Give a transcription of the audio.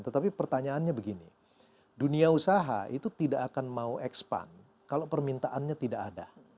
tetapi pertanyaannya begini dunia usaha itu tidak akan mau expand kalau permintaannya tidak ada